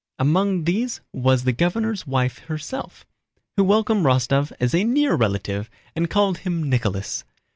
Among these was the governor's wife herself, who welcomed Rostóv as a near relative and called him "Nicholas."